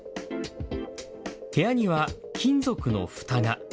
部屋には金属のふたが。